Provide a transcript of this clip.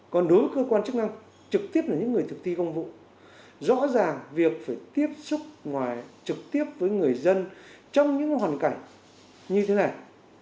còn đối với cơ quan chức năng trực tiếp là những người thực thi công vụ rõ ràng việc phải tiếp xúc trực tiếp với người dân trong những hoàn cảnh như thế này